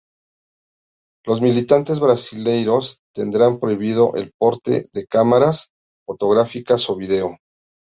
Los militares brasileros tendrán prohibido el porte de cámaras fotográficas o video.